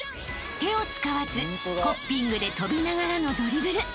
［手を使わずホッピングで跳びながらのドリブル］